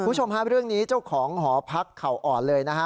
คุณผู้ชมฮะเรื่องนี้เจ้าของหอพักเขาอ่อนเลยนะฮะ